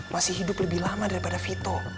masih hidup lebih lama daripada vito